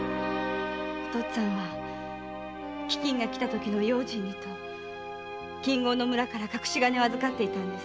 お父っつぁんは飢饉がきたときの用心にと近郷の村から隠し金を預かっていたんです。